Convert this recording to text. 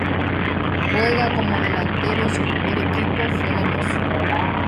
Juega como delantero y su primer equipo fue Lanús.